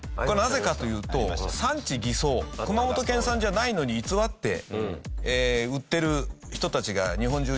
これなぜかというと産地偽装熊本県産じゃないのに偽って売ってる人たちが日本中にいて。